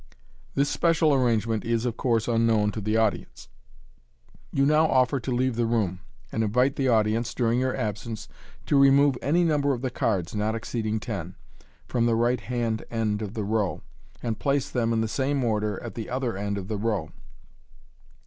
This special arrangement is, of course, unknown to the audience. You now offer to leave the room, and invite the audience, during your absence, to remove any number of the cards (not exceeding ten) from the right hand end of the row, and place them, in the same order, at the other end of the row.